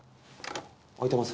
開いてます。